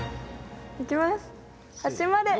いきます！